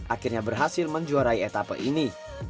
akhirnya berhasil menjuarai etapa ini